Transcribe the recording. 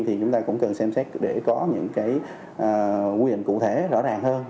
thì chúng ta cũng cần xem xét để có những cái quy định cụ thể rõ ràng hơn